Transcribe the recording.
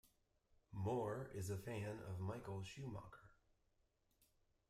Moore is a fan of Michael Schumacher.